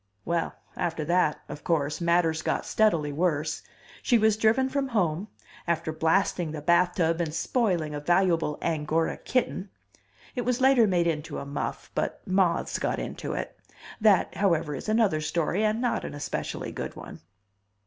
Well, after that, of course, matters got steadily worse. She was driven from home, after blasting the bathtub and spoiling a valuable Angora kitten. (It was later made into a muff, but moths got into it. That, however, is another story, and not an especially good one.)